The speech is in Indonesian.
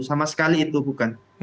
sama sekali itu bukan